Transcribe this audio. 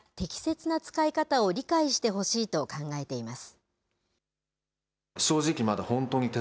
子どもたちに特性や適切な使い方を理解してほしいと考えています。